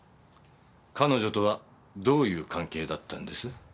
彼女とはどういう関係だったんです？